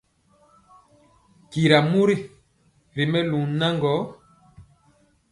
Tyira mori ri melu naŋgɔ,